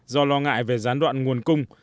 do lo ngại về gián đoạn nguồn cung